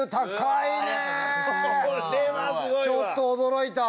ちょっと驚いた。